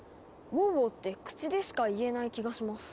「ウォウウォウ」って口でしか言えない気がします。